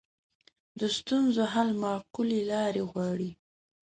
د ستونزو حل معقولې لارې غواړي